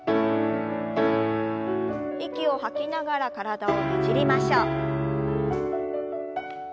息を吐きながら体をねじりましょう。